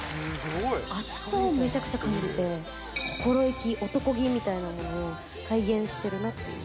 熱さをめちゃくちゃ感じて、心意気、男気みたいなものを、体現してるなっていう。